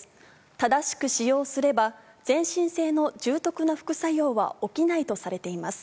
正しく使用すれば、全身性の重篤な副作用は起きないとされています。